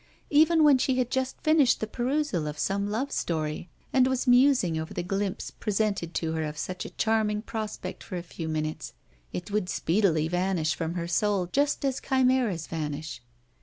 Even when she had just finished the perusal of some love story, and was musing over the glimpse presented to her of such a charming prospect for a few minutes, it would speedily Vanish from her soul just as chimeras vanish.